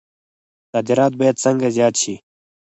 صادرات باید څنګه زیات شي؟